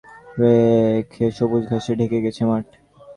কিন্তু আসন্ন অনুশীলন ম্যাচ সামনে রেখে সবুজ ঘাসে ঢেকে গেছে মাঠ।